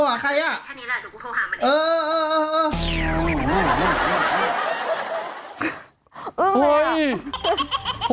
อึ้งเลยหรอ